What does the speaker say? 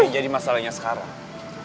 jadi masalahnya sekarang